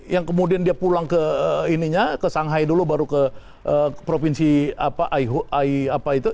yang kemudian dia pulang ke ininya ke shanghai dulu baru ke provinsi apa aiho apa itu